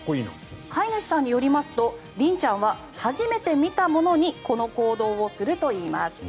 飼い主さんによりますとりんちゃんは初めて見たものにこの行動をするといいます。